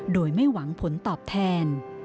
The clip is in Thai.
โดยไม่หวังผลตอบแทน